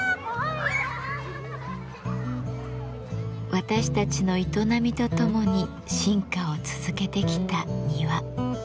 私たちの営みとともに進化を続けてきた庭。